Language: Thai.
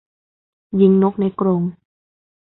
ยิงนกในกรง